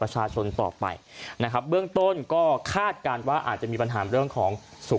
ชอบเอิ้นแต่้ตื่น